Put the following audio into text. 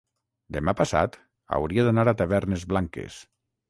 Demà passat hauria d'anar a Tavernes Blanques.